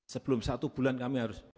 sebelum satu bulan kami harus